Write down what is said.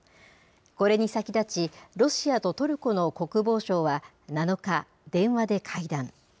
これに先立ち、ロシアとトルコの国防相は７日、電話で会談。